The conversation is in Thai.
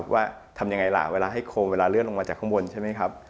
ว่าทำยังไงล่ะเวลาให้โคมเวลาเลื่อนลงมาจากข้างบนใช่ไหมครับ